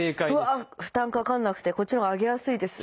うわ負担かかんなくてこっちのほうが上げやすいです。